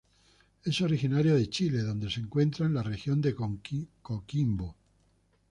Es originaria de Chile, donde se encuentra en la Región de Coquimbo.